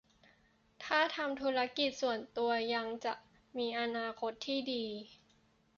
ถ้าทำธุรกิจส่วนตัวยังจะมีอนาคตที่ดี